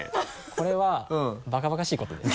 これはバカバカしいことです。